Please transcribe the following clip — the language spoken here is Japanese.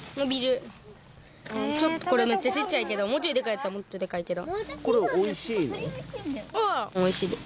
ちょっとこれめっちゃちっちゃいけどもうちょいでかいやつはもっとでかいけど。